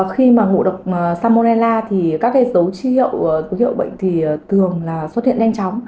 khi ngộ độc salmonella các dấu chi hiệu của hiệu bệnh thường xuất hiện nhanh chóng